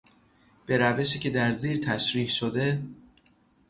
به روشی که در زیر تشریح شده